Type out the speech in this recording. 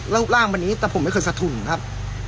แล้วร่างแบบนี้แต่ผมไม่เคยสะทุ่นครับ